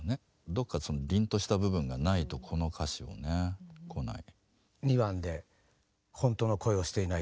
どっかりんとした部分がないとこの歌詞はね来ない。